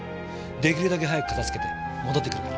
出来るだけ早く片付けて戻ってくるから。